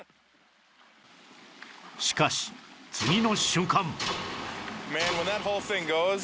しかし次の瞬間